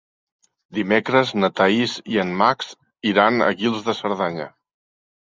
Dimecres na Thaís i en Max iran a Guils de Cerdanya.